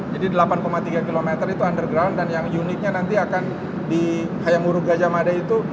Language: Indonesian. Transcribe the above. jadi delapan tiga kilometer itu underground dan yang uniknya nanti akan di hayamuru gajah mada itu